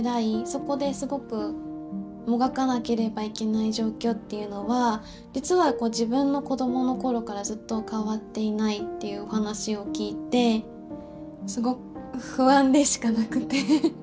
そこですごくもがかなければいけない状況っていうのは実は自分の子どものころからずっと変わっていないっていうお話を聞いてすごく不安でしかなくて。